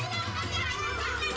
gua ngasih tuh